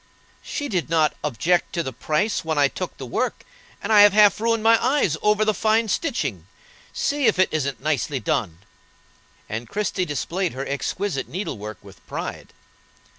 "She did not object to the price when I took the work, and I have half ruined my eyes over the fine stitching. See if it isn't nicely done." And Christie displayed her exquisite needlework with pride.